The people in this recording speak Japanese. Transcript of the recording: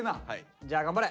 じゃあ頑張れ。